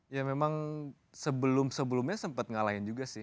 ya memang sebelum sebelumnya sempat ngalahin juga sih